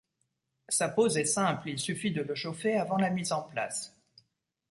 Sa pose est simple, il suffit de le chauffer avant la mise en place.